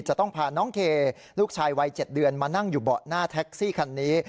จะต้องพาน้องเคลูกชายวัย๗เดือนมานั่งอยู่เบาะหน้าแท็กซี่คันนี้